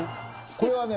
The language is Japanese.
これはね